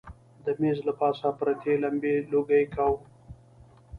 د مېز له پاسه پرتې لمبې لوګی کاوه.